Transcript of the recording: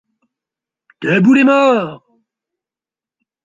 Debout les morts!